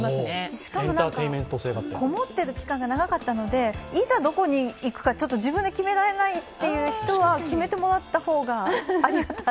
しかも、こもってる期間が長かったのでいざどこに行くか自分で決められないという人は決めてもらった方がありがたい。